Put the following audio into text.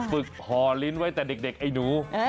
ฝึกห่อลิ้นไว้แต่เด็กไอ้หนู